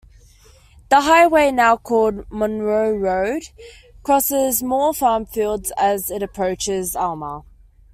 The highway, now called Monroe Road crosses more farm fields as it approaches Alma.